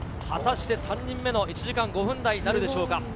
果たして、３人目の１時間５分台なるでしょうか。